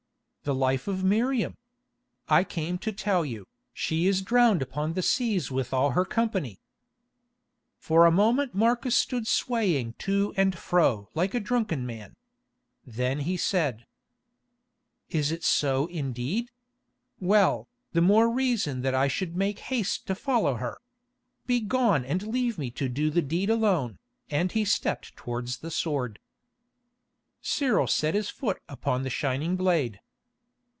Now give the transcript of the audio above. "The life of Miriam. I came to tell you. She is drowned upon the seas with all her company." For a moment Marcus stood swaying to and fro like a drunken man. Then he said: "Is it so indeed? Well, the more reason that I should make haste to follow her. Begone and leave me to do the deed alone," and he stepped towards the sword. Cyril set his foot upon the shining blade.